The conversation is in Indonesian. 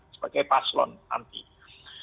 sebagai paslon antara kita